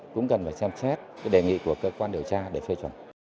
cũng cần phải xem xét đề nghị của cơ quan điều tra để phê chuẩn